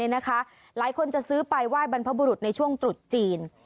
หลายคนจะซื้อไปไหว้บรรพบุรุษในช่วงตรุษจีน